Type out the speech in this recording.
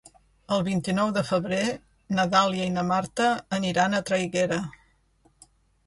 El vint-i-nou de febrer na Dàlia i na Marta aniran a Traiguera.